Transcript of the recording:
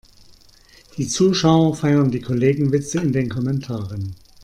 Die Zuschauer feiern die Kollegenwitze in den Kommentaren.